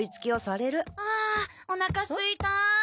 ああおなかすいた。